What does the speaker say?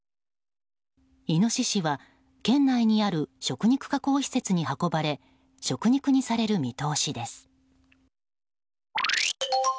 イノシシは県内にある食肉加工施設に運ばれ食肉にされる見通しです。